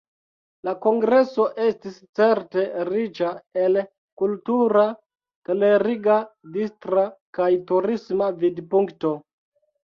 La kongreso estis certe riĉa, el kultura, kleriga, distra kaj turisma vidpunkto.